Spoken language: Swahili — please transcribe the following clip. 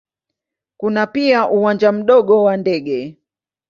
Kuna pia uwanja mdogo wa ndege.